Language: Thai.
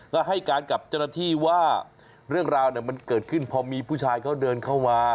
ก็ให้การกับเจ้าหน้าที่ว่าเรื่องราวมันเกิดขึ้นพอมีผู้ชายเขาเดินเข้ามา